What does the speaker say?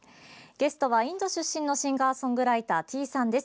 ゲストはインド出身のシンガーソングライターｔｅａさんです。